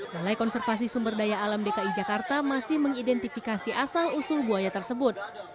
balai konservasi sumber daya alam dki jakarta masih mengidentifikasi asal usul buaya tersebut